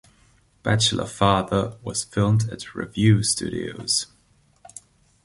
"Bachelor Father" was filmed at Revue Studios.